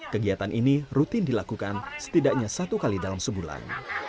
kegiatan ini rutin dilakukan setidaknya satu kali dalam sebulan